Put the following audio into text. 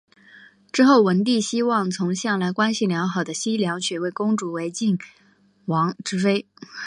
之后文帝希望从向来关系良好的西梁选位公主为晋王之妃。